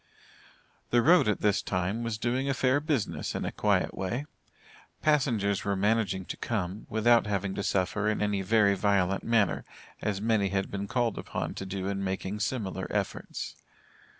The road at this time, was doing a fair business, in a quiet way. Passengers were managing to come, without having to suffer in any very violent manner, as many had been called upon to do in making similar efforts.